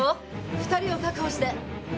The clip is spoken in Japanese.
２人を確保して！